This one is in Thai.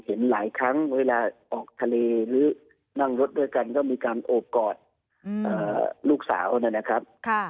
เห็นหลายครั้งเวลาออกทะเลหรือนั่งรถด้วยกันก็มีการโอบกอดลูกสาวนะครับ